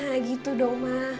nah gitu dong ma